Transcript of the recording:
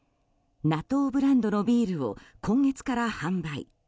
ＮＡＴＯブランドのビールを今月から販売。